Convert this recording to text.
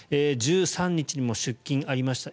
１３日にも出金がありました。